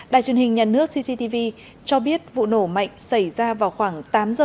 đài truyền hình nhà nước cctv cho biết vụ nổ mạnh xảy ra vào khoảng tám giờ sáng tại một nhà hàng